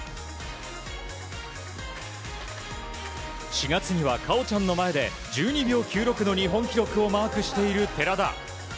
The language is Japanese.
４月には果緒ちゃんの前で１２秒９６の日本記録をマークしている寺田。